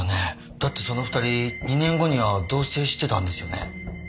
だってその２人２年後には同棲してたんですよね。